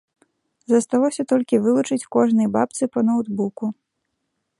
Засталося толькі вылучыць кожнай бабцы па ноўтбуку.